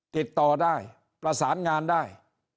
ติดต่อได้ประสานงานได้